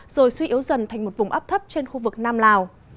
rồi suy yếu dần thành một vùng áp thấp trên khu vực nam lào